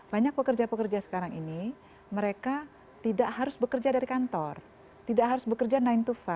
banyak pekerja pekerja sekarang ini mereka tidak harus bekerja dari kantor tidak harus bekerja sembilan to lima